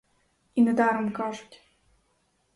І не даром кажуть.